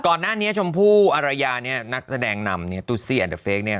ก่อนหน้านี้ชมพู่อารยาเนี่ยนักแสดงนำเนี่ยตุซี่แอนเดอร์เฟคเนี่ย